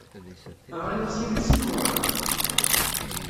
Teɣrid-as i Lucy neɣ werɛad?